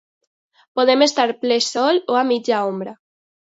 Poden estar a ple sol o a mitja ombra.